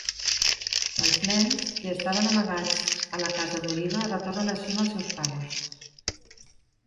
Els nens, qui estaven amagats a la casa d'Oliva, retornen així amb els seus pares.